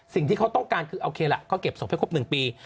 สิ่งที่เขาต้องการคือโอเคละเขาเก็บศพไปครบหนึ่งปี